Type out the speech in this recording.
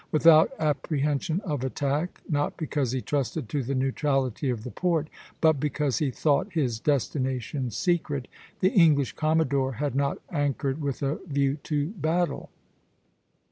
Without apprehension of attack, not because he trusted to the neutrality of the port but because he thought his destination secret, the English commodore had not anchored with a view to battle.